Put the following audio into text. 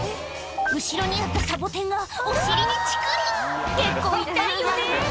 後ろにあったサボテンがお尻にチクリ結構痛いよね